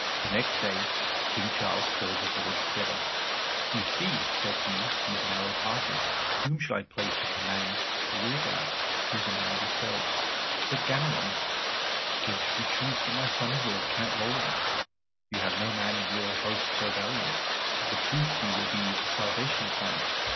The next day King Charles called his lords together. "You see," said he, "these narrow passes. Whom shall I place to command the rear guard? Choose you a man yourselves." Said Ganelon, "Whom should we choose but my son in law, Count Roland? You have no man in your host so valiant. Of a truth he will be the salvation of France."